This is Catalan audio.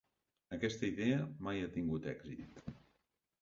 Aquesta idea mai ha tingut èxit.